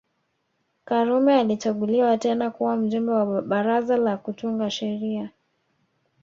Karume alichaguliwa tena kuwa Mjumbe wa Baraza la Kutunga Sheria